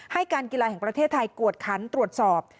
ให้การกีฬาแห่งประเทศไทยกวดคันตรวจสอบ